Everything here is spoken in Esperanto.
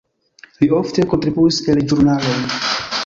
Li ofte kontribuis en ĵurnaloj.